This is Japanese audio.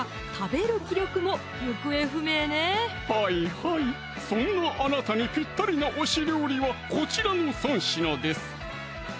はいはいそんなあなたにぴったりな推し料理はこちらの３品です